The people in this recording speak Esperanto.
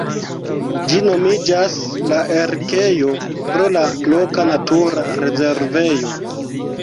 Ĝi nomiĝas "La Erikejo" pro la loka natura rezervejo.